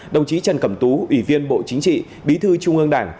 đồng chí trần cẩm tú ủy viên bộ chính trị bí thư trung ương đảng